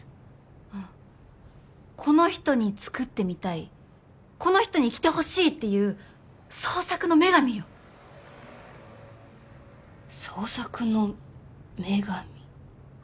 うんこの人に作ってみたいこの人に着てほしいっていう創作の女神よ創作の女神？